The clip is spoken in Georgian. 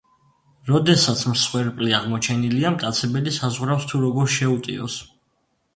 როდესაც მსხვერპლი აღმოჩენილია, მტაცებელი საზღვრავს თუ როგორ შეუტიოს.